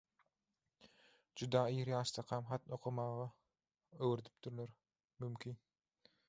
Juda ir ýaşdakam hat okamagy öwredipdirler, mümkin